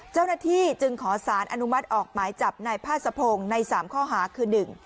เจ้าหน้าที่จึงขอสารอนุมัติออกหมายจับนายพาสะพงศ์ใน๓ข้อหาคือ